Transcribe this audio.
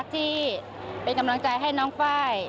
ที่เป็นกำลังใจให้น้องไฟล์